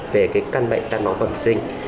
về cái căn bệnh ta nó phẩm sinh